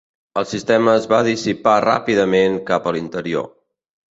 El sistema es va dissipar ràpidament cap a l'interior.